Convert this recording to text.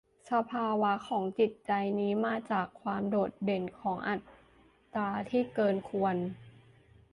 สภาวะของจิตใจนี้มาจากความโดดเด่นของอัตตาที่เกินควร